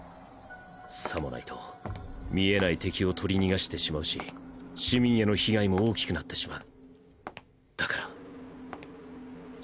さもないと見えない敵を取り逃がしてしまうし市民への被害も大きくなってしまう。